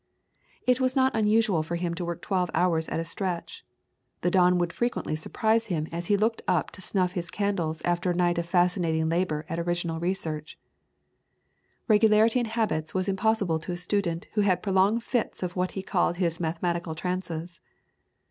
It was not unusual for him to work for twelve hours at a stretch. The dawn would frequently surprise him as he looked up to snuff his candles after a night of fascinating labour at original research. Regularity in habits was impossible to a student who had prolonged fits of what he called his mathematical trances.